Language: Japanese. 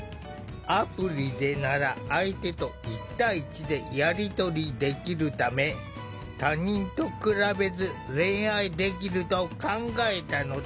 アプリでなら相手と１対１でやりとりできるため他人と比べず恋愛できると考えたのだ。